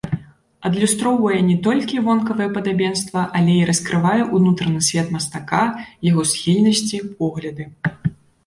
Адлюстроўвае не толькі вонкавае падабенства, але і раскрывае ўнутраны свет мастака, яго схільнасці, погляды.